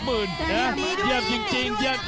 เยี่ยมจริง